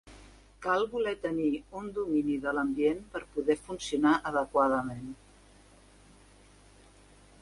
Cal voler tenir un domini de l'ambient per poder funcionar adequadament.